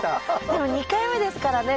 でも２回目ですからね